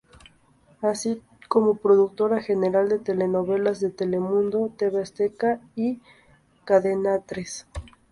Así como productora general de telenovelas de Telemundo, Tv Azteca y Cadenatres.